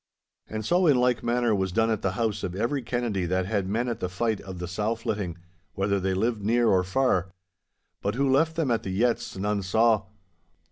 And so in like manner was done at the house of every Kennedy that had men at the fight of the sow flitting, whether they lived near or far. But who left them at the yetts, none saw.